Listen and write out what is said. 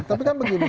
tapi kan begini